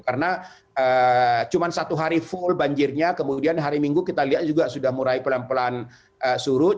karena cuma satu hari full banjirnya kemudian hari minggu kita lihat juga sudah murai pelan pelan surut